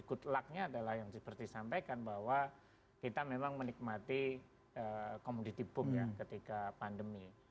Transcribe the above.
good luck nya adalah yang seperti disampaikan bahwa kita memang menikmati komoditi boom ketika pandemi